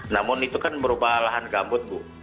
namun itu kan berubah lahan gambut